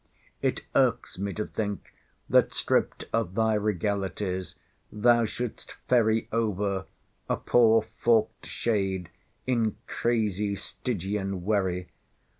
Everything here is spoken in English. It irks me to think, that, stript of thy regalities, thou shouldst ferry over, a poor forked shade, in crazy Stygian wherry.